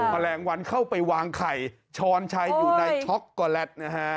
แมลงวันเข้าไปวางไข่ช้อนชัยอยู่ในช็อกโกแลตนะฮะ